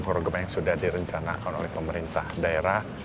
program yang sudah direncanakan oleh pemerintah daerah